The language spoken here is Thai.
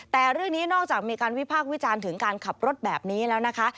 แต่เรื่องนี้นอกจากมีการวิพากษ์วิจารณ์ถึงการขับรถแบบนี้แล้วนะคะ